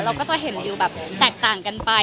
เราก็จะเห็นวิวแบบแตกต่างกันไป